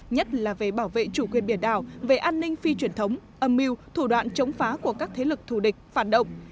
nhất là về bảo vệ chủ quyền biển đảo về an ninh phi truyền thống âm mưu thủ đoạn chống phá của các thế lực thù địch phản động